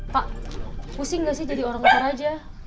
pak pusing nggak sih jadi orang utara aja